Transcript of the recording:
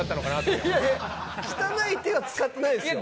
汚い手は使ってないですよ。